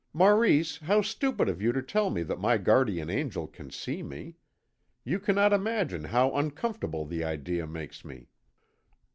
Maurice, how stupid of you to tell me that my guardian angel can see me. You cannot imagine how uncomfortable the idea makes me."